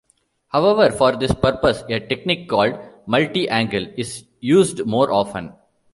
However, for this purpose a technique called multi-angle is used more often.